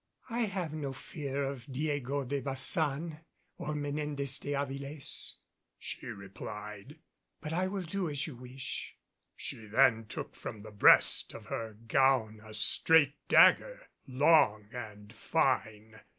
"I have no fear of Diego de Baçan, or Menendez de Avilés," she replied, "but I will do as you wish." She then took from the breast of her gown a straight dagger, long and fine.